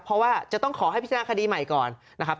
เพราะว่าจะต้องขอให้พิจารณาคดีใหม่ก่อนนะครับ